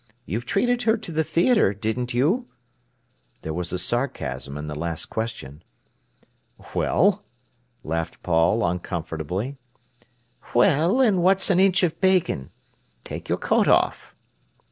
You treated her to the theatre, didn't you?" There was a sarcasm in the last question. "Well?" laughed Paul uncomfortably. "Well, and what's an inch of bacon! Take your coat off."